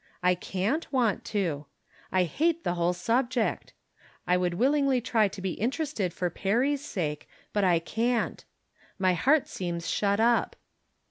I canH want to. I hate the whole subject. I would wUlingly try to be interested for Perry's sake. But I can't. My heart seems shut up.